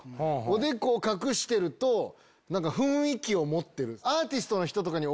おでこを隠してると雰囲気を持ってる。